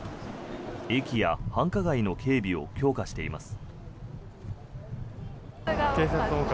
駅や繁華街の警備を強化しています。